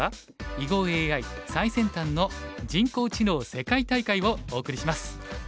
囲碁ＡＩ最先端の人工知能世界大会」をお送りします。